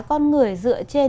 con người dựa trên